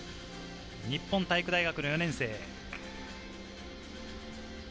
日本体育大学の４年生。